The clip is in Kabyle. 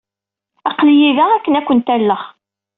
Aql-iyi da akken ad kent-alleɣ.